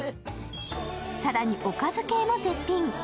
更におかず系も絶品。